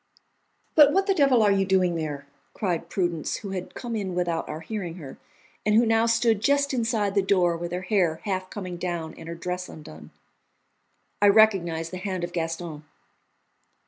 "But what the devil are you doing there?" cried Prudence, who had come in without our hearing her, and who now stood just inside the door, with her hair half coming down and her dress undone. I recognised the hand of Gaston.